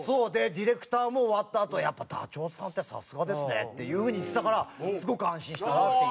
ディレクターも終わったあと「やっぱダチョウさんってさすがですね」っていう風に言ってたからすごく安心したなっていう。